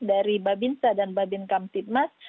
dari babinsa dan babin kamtipmas